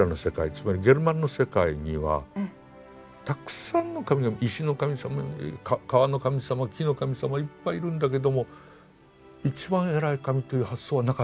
つまりゲルマンの世界にはたくさんの神が石の神様川の神様木の神様いっぱいいるんだけども一番偉い神という発想はなかったんです。